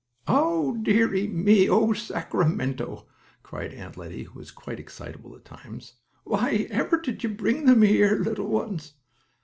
"Oh dearie me! oh Sacramento!" cried Aunt Lettie, who was quite excitable at times. "Why ever did you bring them here, little ones?"